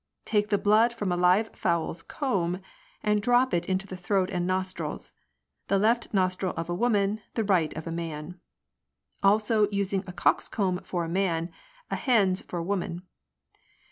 Take the blood from a live fowl's comb, and drop it into the throat and nostrils — the left nostril of a woman, the right of a man ; also using a cock's comb for a man, a hen's for a woman.